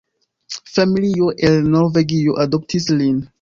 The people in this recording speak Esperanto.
Familio el Norvegio adoptis lin.